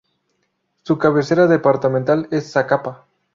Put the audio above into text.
Su cabecera departamental es Zacapa.